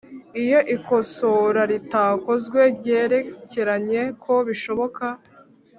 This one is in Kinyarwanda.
Iyo ikosora ritakozwe ryerekeranye ko bishoboka